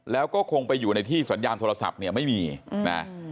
แล้วก็คงไปอยู่ในที่สัญญาณโทรศัพท์เนี่ยไม่มีนะ